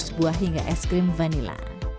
buah hingga es krim vanila